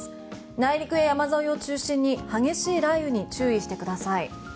内陸や山沿いを中心に激しい雷雨に注意してください。